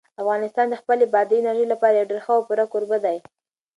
افغانستان د خپلې بادي انرژي لپاره یو ډېر ښه او پوره کوربه دی.